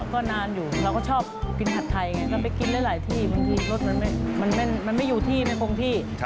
ก็นานอยู่เราก็ชอบกินผัดไทยไงเราไปกินได้หลายที่บางทีรสมันไม่อยู่ที่ไม่คงที่